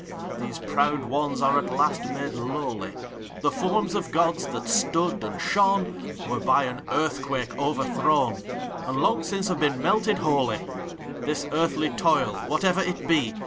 These proud ones are at last made lowly : The forms of Gods, that stood and shone, Were by an earthquake overthrown, And long since have been melted wholly. ACT II. 127 This earthly toil; whatever it be.